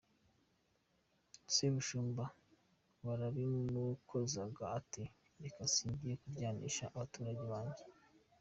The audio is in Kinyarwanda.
Sebushumba barabimukozaga ati reka singiye kuryanisha abaturage banjye".